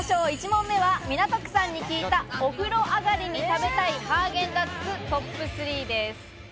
１問目は港区さんに聞いた、お風呂上りに食べたいハーゲンダッツ、トップ３です。